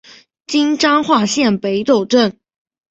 今彰化县北斗镇。